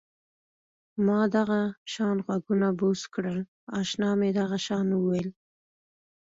ما دغه شان غوږونه بوڅ کړل اشنا مې دغه شان وویل.